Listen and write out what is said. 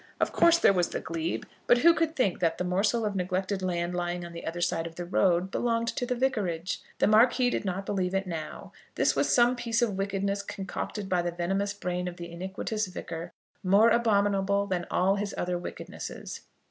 Of course there was the glebe. But who could think that the morsel of neglected land lying on the other side of the road belonged to the vicarage? The Marquis did not believe it now. This was some piece of wickedness concocted by the venomous brain of the iniquitous Vicar, more abominable than all his other wickednesses.